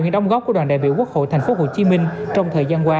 những đóng góp của đoàn đại biểu quốc hội thành phố hồ chí minh trong thời gian qua